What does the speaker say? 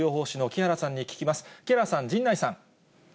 木原さん、陣内さん。